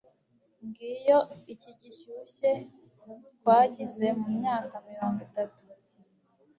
ngiyo icyi gishyushye twagize mumyaka mirongo itatu